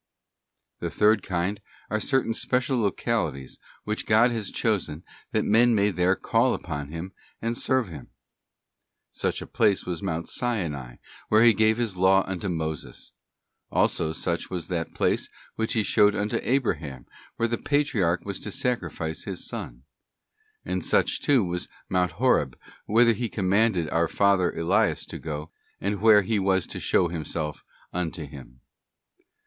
} The third kind are certain special localities which God has chosen that men may there call upon Him and serve Him. Such a place was Mount Sinai where He gave His law unto Moses.§ Such also was that place which He showed unto Abraham, where the Patriarch was to sacrifice his son.|| And such too was Mount Horeb, whither He commanded our father Elias to go, and where He was to show Himself unto him.